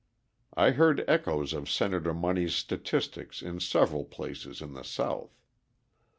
I heard echoes of Senator Money's statistics in several places in the South.